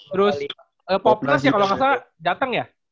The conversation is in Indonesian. terus popnas ya kalo gak salah dateng ya